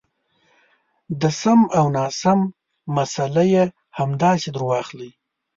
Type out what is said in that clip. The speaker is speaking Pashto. د سم او ناسم مساله یې همداسې درواخلئ.